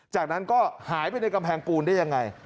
จากนั้นก็หายไปในกำแพงปูนได้ยังไง